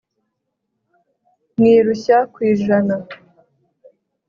Mwirushya kwijana